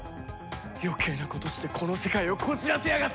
余計なことしてこの世界をこじらせやがって！